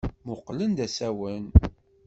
Mmuqqlen d asawen.